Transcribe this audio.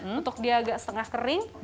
untuk dia agak setengah kering